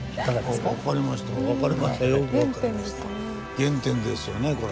原点ですよねこれ。